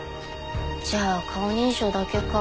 じゃあ顔認証だけか。